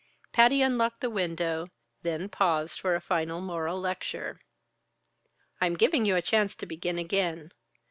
Patty unlocked the window, then paused for a final moral lecture. "I am giving you a chance to begin again.